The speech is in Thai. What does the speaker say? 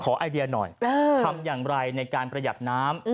ไอเดียหน่อยทำอย่างไรในการประหยัดน้ำ